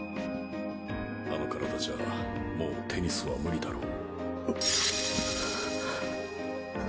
あの体じゃもうテニスは無理だろう。